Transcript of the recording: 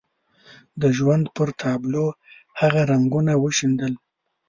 د ژوند پر تابلو هغه رنګونه وشيندل.